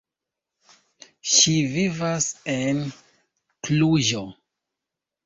Ŝi vivas en Kluĵo.